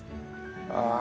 ああ。